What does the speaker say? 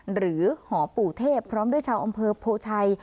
หรือหอปู่เทพพร้อมด้วยชาวอำเภอโปรไชย